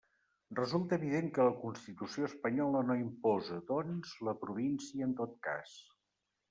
Resulta evident que la Constitució espanyola no imposa, doncs, la província en tot cas.